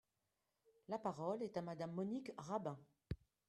La parole est à Madame Monique Rabin.